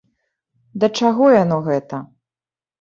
Да чаго яно гэта?